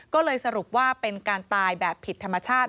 ก็เลยสรุปว่าเป็นการตายแบบผิดธรรมชาติ